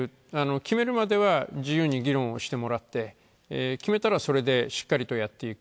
決めるまでは自由に議論をしてもらって決めたら、それでしっかりとやっていく。